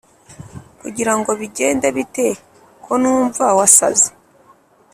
Kugira ngo bigende bite konumva wasaze